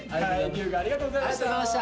龍我ありがとうございました。